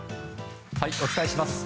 お伝えします。